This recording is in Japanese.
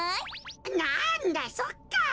なんだそっか。